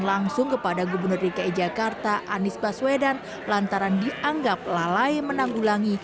langsung kepada gubernur dki jakarta anies baswedan lantaran dianggap lalai menanggulangi